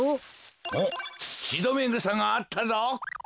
おっチドメグサがあったぞ。